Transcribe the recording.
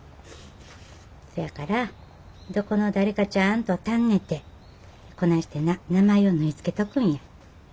そやからどこの誰かちゃんと尋ねてこないしてな名前を縫い付けとくんや。